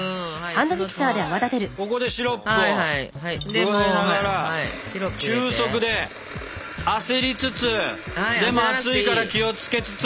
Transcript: ここでシロップを加えながら中速で焦りつつでも熱いから気を付けつつ。